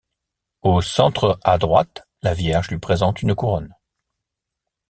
Au centre à droite, la Vierge lui présente une couronne.